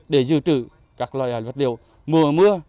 để giữ trữ các loại vật liệu mưa mưa